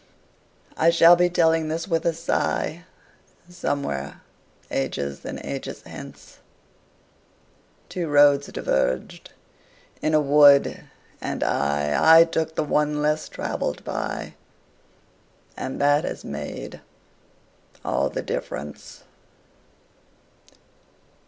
I shall be telling this with a sighSomewhere ages and ages hence:Two roads diverged in a wood, and I—I took the one less traveled by, And that has made all the difference.